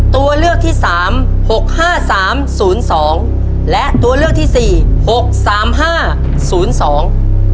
ตัวเลือกที่สามหกห้าสามศูนย์สองและตัวเลือกที่สี่หกสามห้าศูนย์สอง